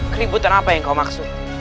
keributan apa yang kau maksud